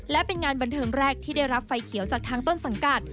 และเป็นงานบันเทิงแรกที่ได้รับไฟเขียวจากทางต้นสังกัด